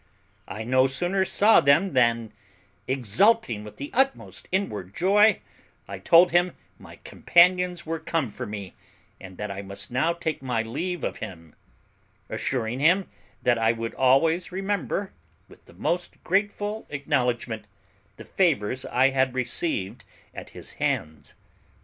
I no sooner saw them than, exulting with the utmost inward joy, I told him my companions were come for me, and that I must now take my leave of him; assuring him that I would always remember, with the most grateful acknowledgment, the favours I had received at his hands.